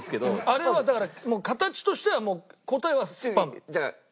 あれはだから形としては答えはスパム。